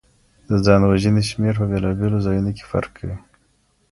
د ځان وژنې شمېر په بیلابیلو ځایونو کي فرق کوي.